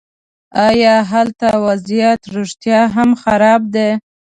ایا هلته وضعیت رښتیا هم خراب دی.